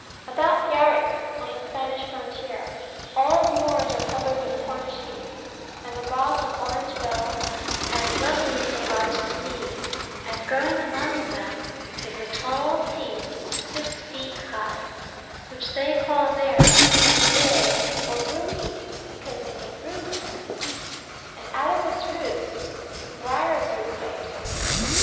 About Biarritz, on the Spanish frontier, all the moors are covered with Cornish heath, and the bogs with Orange bell, and lovely they are to see; and growing among them is a tall heath six feet high, which they call there bruyere, or Broomheath, because they make brooms of it: and out of its roots the "briar root" pipes are made.